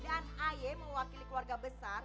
dan ayem mewakili keluarga besar